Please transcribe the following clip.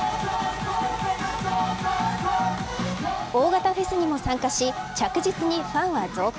大型フェスにも参加し着実にファンは増加。